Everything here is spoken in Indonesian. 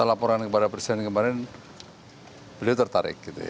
laporan kepada presiden kemarin beliau tertarik